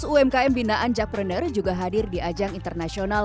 seratus umkm binaan jack brunner juga hadir di ajang internasional